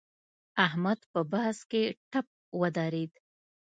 احمد په بحث کې ټپ ودرېد.